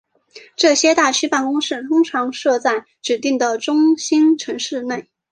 这些大区办公室通常设在指定的中心城市内。